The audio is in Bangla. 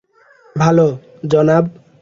ভালো, জনাব।